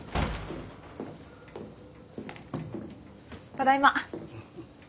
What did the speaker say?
ただいま。